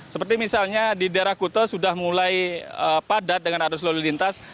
seperti misalnya di daerah kute sudah mulai padat dengan arus lalu lintas